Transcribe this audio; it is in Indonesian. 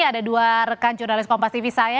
ada dua rekan jurnalis kompas tv saya